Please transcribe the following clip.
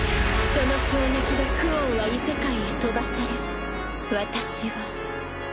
その衝撃でクオンは異世界へ飛ばされ私は。